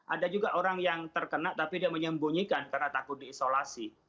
ada juga orang yang terkena tapi dia menyembunyikan karena takut diisolasi